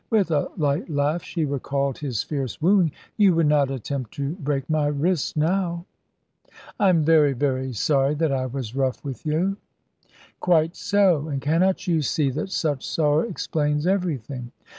With a light laugh she recalled his fierce wooing: "you would not attempt to break my wrists now." "I am very, very sorry, that I was rough with yon." "Quite so, and cannot you see that such sorrow explains everything?"